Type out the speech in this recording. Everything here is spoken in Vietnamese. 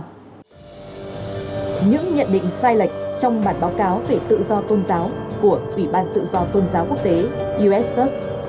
những nhận định sai lệch trong bản báo cáo về tự do tôn giáo của ủy ban tự do tôn giáo quốc tế us